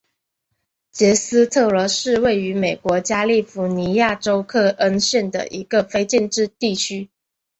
杰斯特罗是位于美国加利福尼亚州克恩县的一个非建制地区。